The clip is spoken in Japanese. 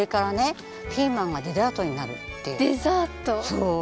そう！